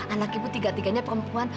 anak ibu tiga tiganya perempuan